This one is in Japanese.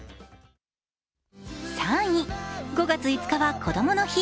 ３位、５月５日はこどもの日。